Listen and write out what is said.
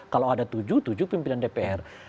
kalau ada tujuh tujuh pimpinan dpr